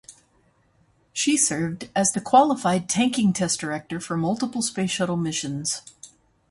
She served as the qualified tanking test director for multiple space shuttle missions.